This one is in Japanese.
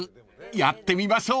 ［やってみましょう］